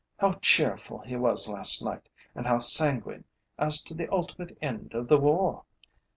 How cheerful he was last night, and how sanguine as to the ultimate end of the war!